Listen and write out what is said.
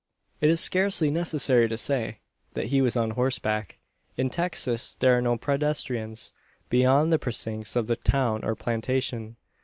It is scarcely necessary to say, that he was on horseback. In Texas there are no pedestrians, beyond the precincts of the town or plantation.